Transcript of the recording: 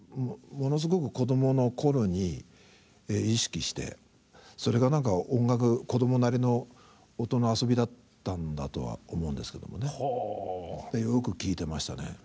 ものすごく子どもの頃に意識してそれが子どもなりの音の遊びだったんだとは思うんですけどもねよく聴いてましたね